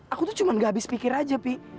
aku tuh cuma gak habis pikir aja pi